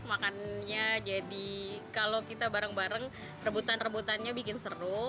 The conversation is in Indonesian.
makannya jadi kalau kita bareng bareng rebutan rebutannya bikin seru